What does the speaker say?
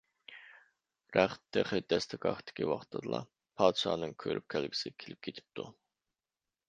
رەخت تېخى دەستىگاھتىكى ۋاقتىدىلا، پادىشاھنىڭ كۆرۈپ كەلگۈسى كېلىپ كېتىپتۇ.